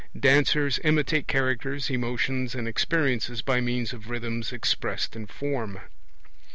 (Dancers imitate characters, emotions, and experiences by means of rhythms expressed in form.)